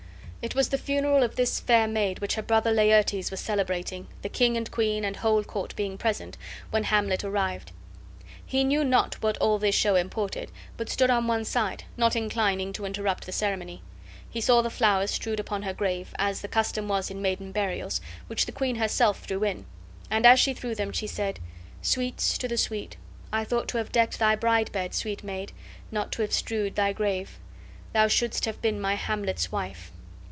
It was the funeral of this fair maid which her brother Laertes was celebrating, the king and queen and whole court being present, when Hamlet arrived. He knew not what all this show imported, but stood on one side, not inclining to interrupt the ceremony. He saw the flowers strewed upon her grave, as the custom was in maiden burials, which the queen herself threw in; and as she threw them she said: "Sweets to the sweet! I thought to have decked thy bride bed, sweet maid, not to have strewed thy grave. Thou shouldst have been my Hamlet's wife."